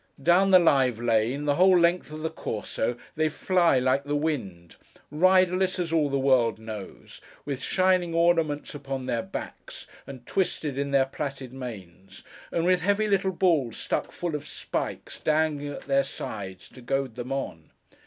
Down the live lane, the whole length of the Corso, they fly like the wind: riderless, as all the world knows: with shining ornaments upon their backs, and twisted in their plaited manes: and with heavy little balls stuck full of spikes, dangling at their sides, to goad them on.